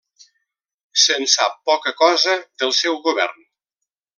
Se'n sap poca cosa del seu govern.